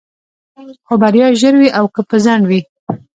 خو بريا ژر وي او که په ځنډ وي.